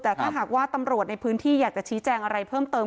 แต่ถ้าหากว่าตำรวจในพื้นที่อยากจะชี้แจงอะไรเพิ่มเติม